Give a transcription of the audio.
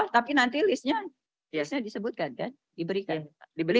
tapi nanti listnya disebutkan kan diberikan